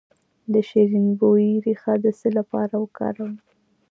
د شیرین بویې ریښه د څه لپاره وکاروم؟